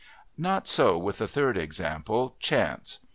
Not so with the third example, Chance.